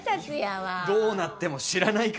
どうなっても知らないからね。